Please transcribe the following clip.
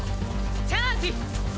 チャージ！